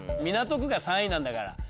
港区が３位なんだから。